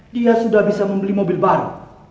dia sudah bisa membeli mobil baru